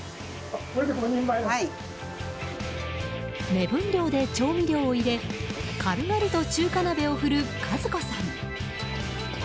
目分量で調味料を入れ軽々と中華鍋を振る和子さん。